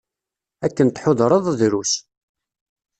Akken tḥudreḍ, drus.